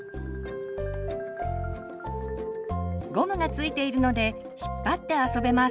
ゴムが付いているので引っ張って遊べます。